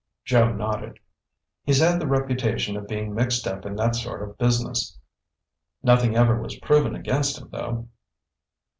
Joe nodded. "He's had the reputation of being mixed up in that sort of business. Nothing ever was proven against him though."